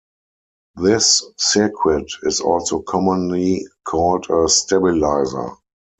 This circuit is also commonly called a stabilizer.